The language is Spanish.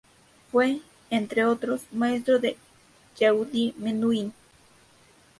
Fue, entre otros, maestro de Yehudi Menuhin.